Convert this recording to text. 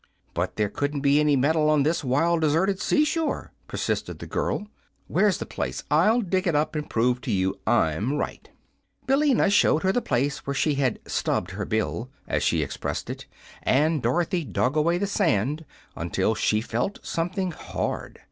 "But there couldn't be any metal on this wild, deserted seashore," persisted the girl. "Where's the place? I'll dig it up, and prove to you I'm right." Billina showed her the place where she had "stubbed her bill," as she expressed it, and Dorothy dug away the sand until she felt something hard.